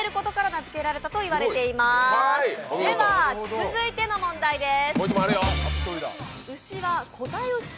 続いての問題です。